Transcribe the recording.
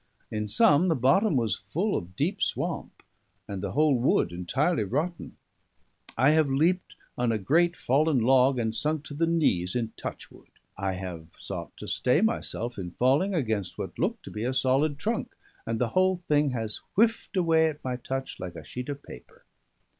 In some the bottom was full of deep swamp, and the whole wood entirely rotten. I have leaped on a great fallen log and sunk to the knees in touchwood; I have sought to stay myself, in falling, against what looked to be a solid trunk, and the whole thing has whiffed at my touch like a sheet of paper.